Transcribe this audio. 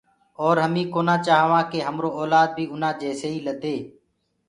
اَور همين ڪونآ چآهوآن ڪي همرو اولآد بيٚ اُنآن جيسيئيٚ لدي۔